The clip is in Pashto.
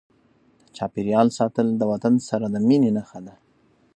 د چاپیریال ساتل د وطن سره د مینې نښه ده.